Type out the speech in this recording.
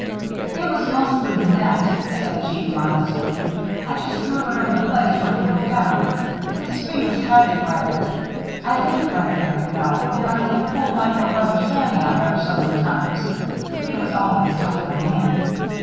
"It was mostly the net," said Jeanne, modestly. "I just threw it over the place where he went down. His fingers had to grab it. I lived right there, you know, and I had pulled my little brother Sammy out ever so many times. He was always tumbling in."